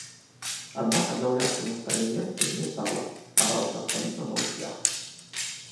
Аднак аднаўляцца на старым месцы не стала, абраўшы абсалютна новы шлях.